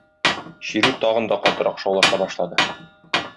Чирү тагын да катырак шаулаша башлады.